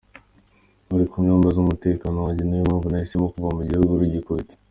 Byari ku mpamvu z’umutekano wanjye ni yo mpamvu nahisemo kuva mu gihugu rugikubita.